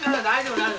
大丈夫！